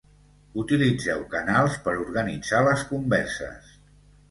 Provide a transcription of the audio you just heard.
Utilitzeu canals per organitzar les converses